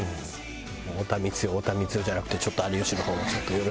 太田光代太田光代じゃなくてちょっと有吉の方もよろしく。